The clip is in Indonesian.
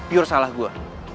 pure salah gue